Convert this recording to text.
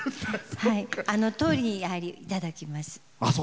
あのとおりにいただきます。